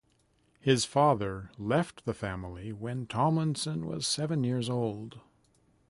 His father left the family when Tomlinson was seven years old.